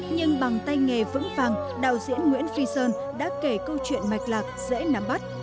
nhưng bằng tay nghề vững vàng đạo diễn nguyễn phi sơn đã kể câu chuyện mạch lạc dễ nắm bắt